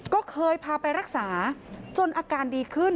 ก็เคยพาไปรักษาจนอาการดีขึ้น